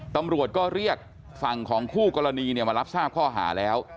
ตำรวจก็เรียกฝั่งของคู่กรณีมารับทราบข้อหาแล้ว